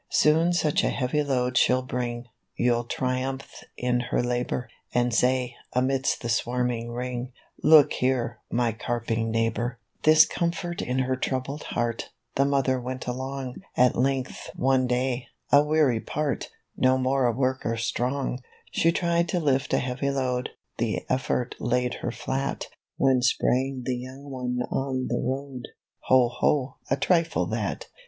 " Soon such a heavy load she'll bring, You'll triumph in her labor, And say, amidst the swarming ring, 'Look there, my carping neighbor.'" 32 A RUN ON THE BEACH. This comfort in her troubled heart, The Mother went along: At length one day, — a weary part, — No more a worker strong — She tried to lift a heavy load, The effort laid her flat; When sprang the young one on the road, "Ho, ho! a trifle that."